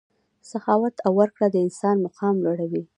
سخاوت او ورکړه د انسان مقام لوړوي.